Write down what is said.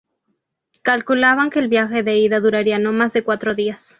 Calculaban que el viaje de ida duraría no más de cuatro días.